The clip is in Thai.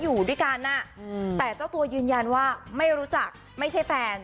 อยู่ด้วยกันแต่เจ้าตัวยืนยันว่าไม่รู้จักไม่ใช่แฟน